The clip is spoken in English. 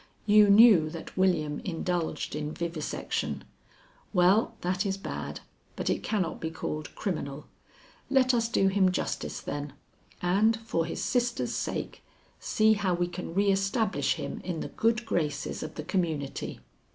You knew that William indulged in vivisection. Well, that is bad, but it cannot be called criminal. Let us do him justice, then, and, for his sisters' sake, see how we can re establish him in the good graces of the community."